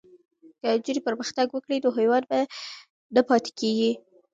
که نجونې پرمختګ وکړي نو هیواد به نه پاتې کېږي.